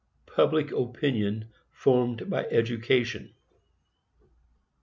PUBLIC OPINION FORMED BY EDUCATION.